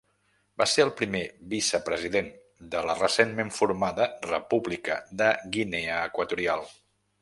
Va ser el primer vicepresident de la recentment formada República de Guinea Equatorial.